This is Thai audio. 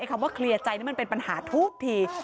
คำว่าเคลียร์ใจนี่มันเป็นปัญหาทุกที